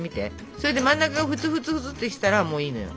それで真ん中がふつふつふつってしたらもういいのよ。